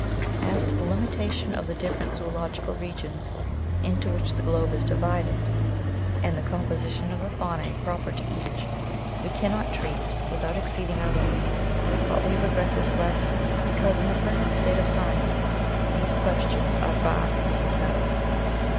As to the limitation of the different zoological regions into which the globe is divided, and the composition of the faunae proper to each, we cannot treat without exceeding our limits ; but we regret this less, because, in the present state of science, these questions are far from being settled.